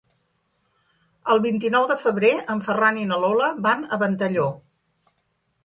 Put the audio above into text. El vint-i-nou de febrer en Ferran i na Lola van a Ventalló.